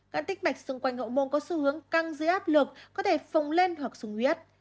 các tích bạch xung quanh hậu môn có xu hướng căng dưới áp lực có thể phồng lên hoặc sung huyết